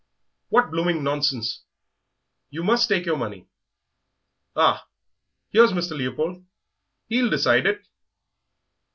"What blooming nonsense! You must take your money. Ah, here's Mr. Leopold! he'll decide it."